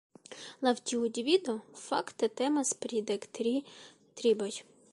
Laŭ tiu divido fakte temas pri dek tri triboj.